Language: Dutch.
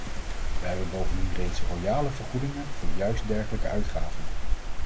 Wij hebben bovendien reeds royale vergoedingen voor juist dergelijke uitgaven.